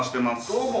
どうも。